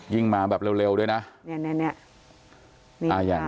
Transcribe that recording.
ยิ่งมาแบบเร็วด้วยนะ